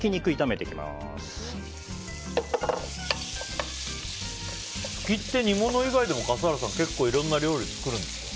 フキって、煮物以外でも結構いろんな料理作るんですか。